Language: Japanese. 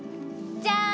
じゃん！